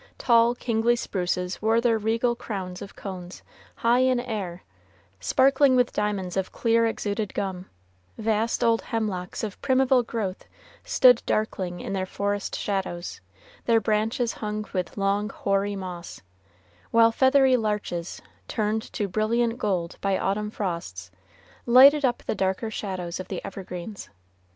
Tall, kingly spruces wore their regal crowns of cones high in air, sparkling with diamonds of clear exuded gum; vast old hemlocks of primeval growth stood darkling in their forest shadows, their branches hung with long hoary moss; while feathery larches, turned to brilliant gold by autumn frosts, lighted up the darker shadows of the evergreens.